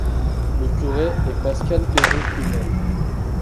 Le curé est Pascal Perroux-Hummel.